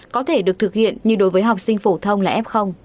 có thể được thực hiện như đối với học sinh phổ thông là f